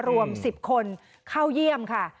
รวม๑๐คนเข้าเยี่ยมค่ะ